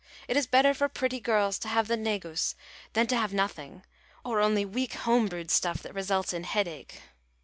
It is better for pretty girls to have the negus than to have nothing, or only weak home brewed stuff that results in head ache.